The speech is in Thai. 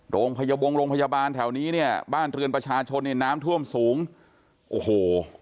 โรงพยาบาลโรงพยาบาลแถวนี้เนี่ยบ้านเรือนประชาชนเนี่ยน้ำท่วมสูงโอ้โห